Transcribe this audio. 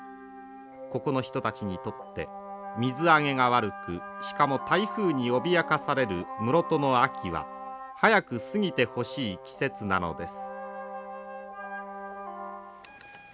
ここの人たちにとって水揚げが悪くしかも台風に脅かされる室戸の秋は早く過ぎてほしい季節なのです。